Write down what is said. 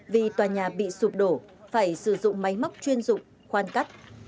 vì tòa nhà bị sụp đổ phải sử dụng máy móc chuyên dụng khoan cắt